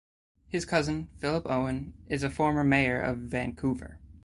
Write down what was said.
His cousin, Philip Owen, is a former mayor of Vancouver.